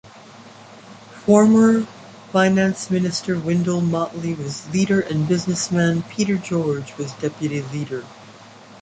Former finance minister Wendell Mottley was leader and businessman Peter George was deputy leader.